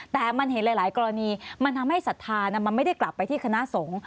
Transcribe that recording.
แต่มันเห็นหลายกรณีมันทำให้ศรัทธามันไม่ได้กลับไปที่คณะสงฆ์